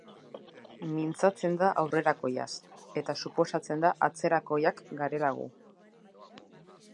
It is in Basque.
Mintzatzen da aurrerakoiaz, eta suposatzen da atzerakoiak garela gu.